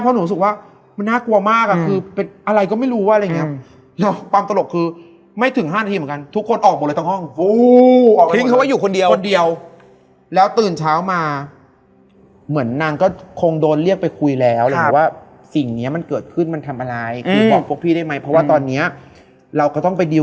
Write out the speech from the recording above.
เราก็จะแบบคือด้วยความเป็นพอเราเริ่มเป็นนักแสดงอย่างเงี้ย